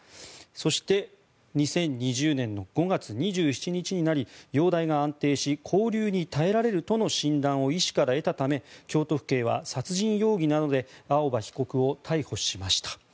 そして２０２０年の５月２７日になり容体が安定し勾留に耐えられるとの診断を医師から得たため京都府警は殺人容疑などで青葉被告を逮捕しました。